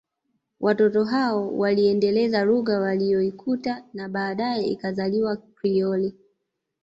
Watoto hao waliiendeleza lugha waliyoikuta na baadaye ikazaliwa Krioli